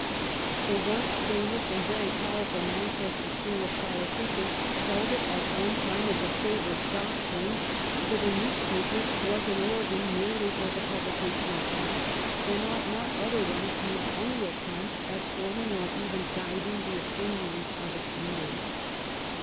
The once famous and very powerful Manchester school of politicians held it at one 219 THE REIGN OF QUEEN ANNE time as a favorite doctrine that a newspaper was an organ merely for the publication of facts, and ought not otherwise to make any attempt at forming or even guiding the opinions of its readers.